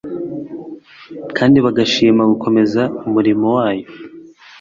kandi bagashima gukomeza umurimo wayo